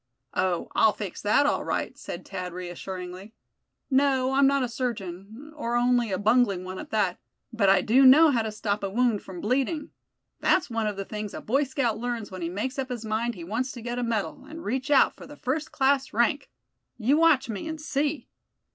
"Oh! I'll fix that, all right," said Thad, reassuringly. "No, I'm not a surgeon, or only a bungling one at that; but I do know how to stop a wound from bleeding. That's one of the things a Boy Scout learns when he makes up his mind he wants to get a medal, and reach out for the first class rank. You watch me, and see."